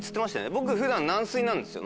僕普段軟水なんですよ飲むの。